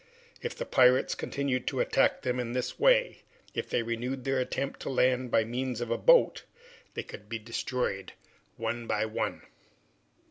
If the pirates continued to attack them in this way, if they renewed their attempt to land by means of a boat, they could be destroyed one by one.